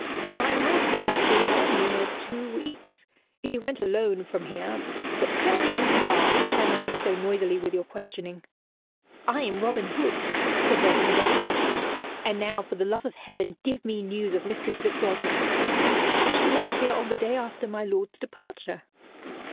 "My master hath been gone near two weeks. He went alone from here. But tell me who you are, clamoring so noisily with your questioning?" "I am Robin Hood," said Robin, in desperation, "and now, for the love of Heaven, give me news of Mistress Fitzwalter." "She left here on the day after my lord's departure."